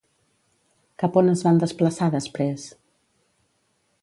Cap on es van desplaçar després?